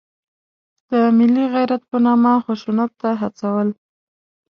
د ملي غیرت په نامه خشونت ته هڅول.